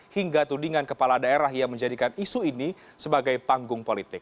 hingga tudingan kepala daerah yang menjadikan isu ini sebagai panggung politik